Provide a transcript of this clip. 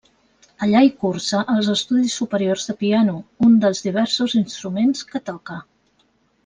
Allà hi cursa els estudis superiors de piano, un dels diversos instruments que toca.